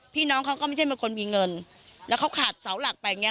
พี่น้องเขาก็ไม่ใช่เป็นคนมีเงินแล้วเขาขาดเสาหลักไปอย่างเง